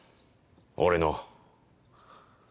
俺の。